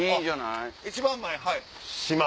一番前はい。